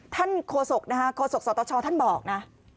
ท่านโคศกโคศกสตชท่านบอกนะ